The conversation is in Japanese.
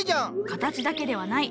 形だけではない。